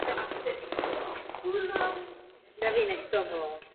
Jako zastánce německé nacionální ideologie prosazoval radikální antisemitismus.